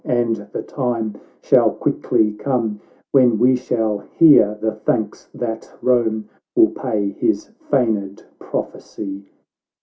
Ay, and the time shall quickly come, "When we shall hear the thanks that Rome Will pay his feigned prophecy